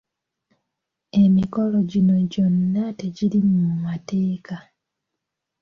Emikolo gino gyonna tegiri mu mateeka.